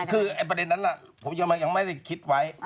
คือประเด็นนั้นผมยังไม่ได้คิดไว้